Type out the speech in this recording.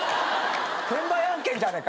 転売案件じゃねえか。